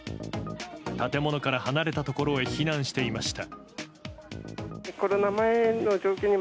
建物から離れたところへ避難していました。